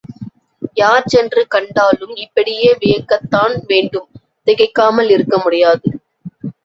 யார் சென்று கண்டாலும், இப்படியே வியக்கத்தான் வேண்டும் திகைக்காமல் இருக்க முடியாது.